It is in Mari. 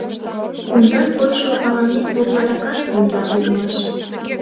Кумдан койшо аланет утларакат кумда улмаш.